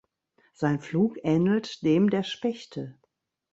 Sein Flug ähnelt dem der Spechte.